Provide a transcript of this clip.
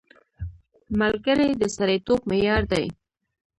ملګری د سړیتوب معیار دی